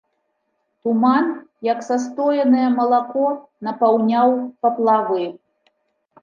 Туман, як састоенае малако, напаўняў паплавы.